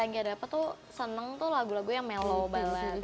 yang ghea dapet tuh seneng tuh lagu lagu yang mellow banget